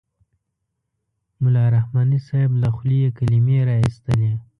ملا رحماني صاحب له خولې یې کلمې را اېستلې.